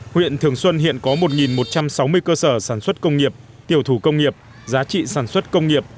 huyện thường xuân hiện có một một trăm sáu mươi cơ sở sản xuất công nghiệp tiểu thủ công nghiệp giá trị sản xuất công nghiệp